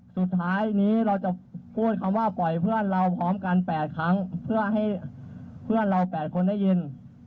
สุดท้ายนี้เราจะพูดคำว่าปล่อยเพื่อนเราพร้อมกัน๘ครั้งเพื่อให้เพื่อนเรา๘คนได้ยิน